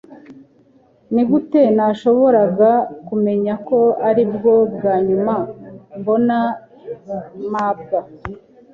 Nigute nashoboraga kumenya ko aribwo bwa nyuma mbona mabwa?